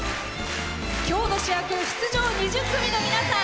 今日の主役の出場２０組の皆さん。